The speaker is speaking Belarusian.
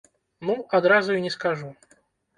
Ну, адразу і не скажу.